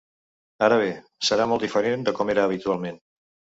Ara bé, serà molt diferent de com era habitualment.